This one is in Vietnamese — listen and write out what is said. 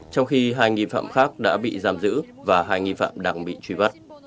trong khi hai nghi phạm khác đã bị giam giữ và hai nghi phạm đang bị truy bắt